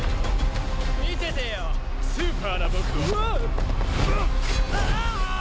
見ててよ、スーパーな僕を。